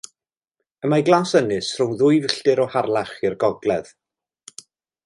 Y mae Glasynys rhyw ddwy filltir o Harlach i'r gogledd.